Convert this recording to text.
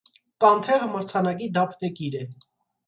«Կանթեղ» մրցանակի դափնեկիր է։